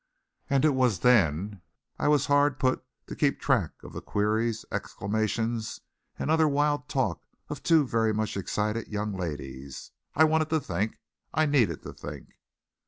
And it was then I was hard put to it to keep track of the queries, exclamations, and other wild talk of two very much excited young ladies. I wanted to think; I needed to think.